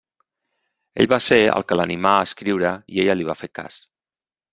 Ell va ser el que l'animà a escriure i ella li va fer cas.